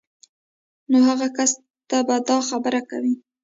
نو هغې کس ته به دا خبره کوئ